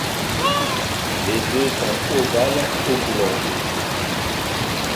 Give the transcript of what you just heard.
Les œufs sont ovales oblongs.